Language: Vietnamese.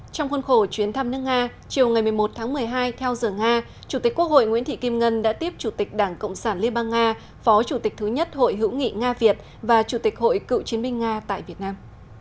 trong khuôn khổ chuyến thăm nước nga chiều ngày một mươi một tháng một mươi hai theo giờ nga chủ tịch quốc hội nguyễn thị kim ngân đã tiếp chủ tịch đảng cộng sản liên bang nga phó chủ tịch thứ nhất hội hữu nghị nga việt và chủ tịch hội cựu chiến binh nga tại việt nam